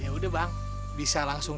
ya udah bang bisa langsung